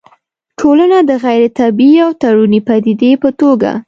ټولنه د غيري طبيعي او تړوني پديدې په توګه